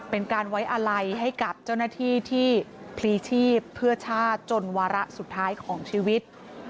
เป็นการไว้อาลัยให้กับเจ้าหน้าที่ที่พลีชีพเพื่อชาติจนวาระสุดท้ายของชีวิต